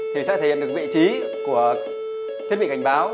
thì sẽ thể hiện được vị trí của thiết bị cảnh báo